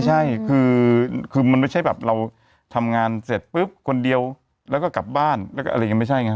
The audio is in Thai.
ใช่คือมันไม่ใช่แบบเราทำงานเสร็จปุ๊บคนเดียวแล้วก็กลับบ้านแล้วก็อะไรอย่างนี้ไม่ใช่ไง